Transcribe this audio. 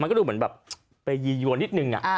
มันก็ดูเหมือนแบบไปยียวนนิดหนึ่งอ่ะอ่า